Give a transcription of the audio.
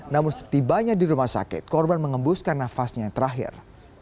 namun setibanya di rumah sakit korban mengembuskan nafasnya yang terakhir